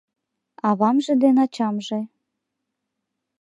Авамже ден ачамже